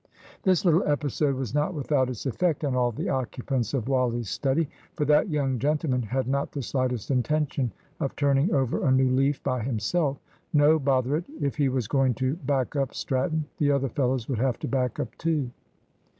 This little episode was not without its effect on all the occupants of Wally's study. For that young gentleman had not the slightest intention of turning over a new leaf by himself. No, bother it; if he was going to "back up" Stratton, the other fellows would have to back up too.